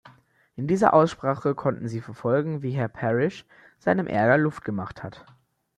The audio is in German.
In dieser Aussprache konnten Sie verfolgen, wie Herr Parish seinem Ärger Luft gemacht hat.